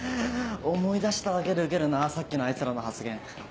思い出しただけでウケるなさっきのあいつらの発言。